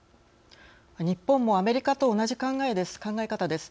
日本もアメリカと同じ考え方です。